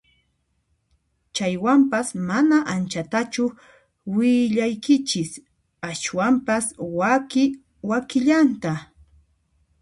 Chaywanpas mana anchatachu willaykichis ashwampis waki wakillanta